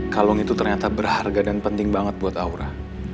kalung itu ternyata berharga dan penting banget buat aura